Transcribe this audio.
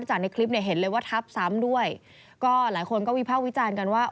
ในคลิปเนี่ยเห็นเลยว่าทับซ้ำด้วยก็หลายคนก็วิภาควิจารณ์กันว่า